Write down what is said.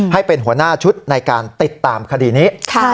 ให้เป็นหัวหน้าชุดในการติดตามคดีนี้